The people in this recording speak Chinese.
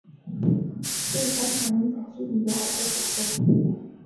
对该反应的机理有很多研究。